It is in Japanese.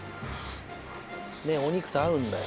ねっお肉と合うんだよ。